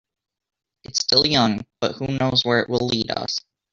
It's still young, but who knows where it will lead us.